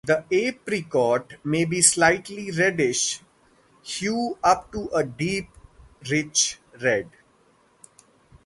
The apricot may be a slightly reddish hue up to a deep, rich red.